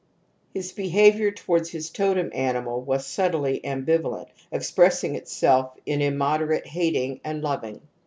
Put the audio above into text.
His behaviour towards his totem animalw as subtly ambivalent, ex pressing itself in inunoderate hating and loving.